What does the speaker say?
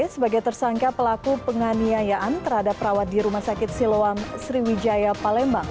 sebagai tersangka pelaku penganiayaan terhadap perawat di rumah sakit siloam sriwijaya palembang